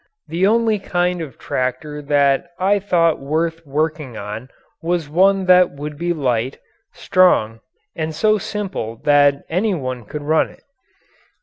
The only kind of tractor that I thought worth working on was one that would be light, strong, and so simple that any one could run it.